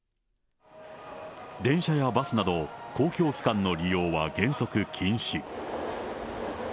電車やバスなど、公共機関の利用は原則禁止。